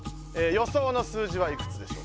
予想の数字はいくつでしょう。